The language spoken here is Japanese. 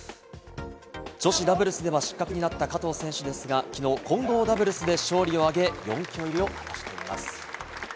女子ダブルスでは失格になった加藤選手ですが、きのう混合ダブルスで勝利を挙げ、４強入りを果たしています。